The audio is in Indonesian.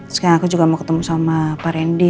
sekarang aku juga mau ketemu sama pak randy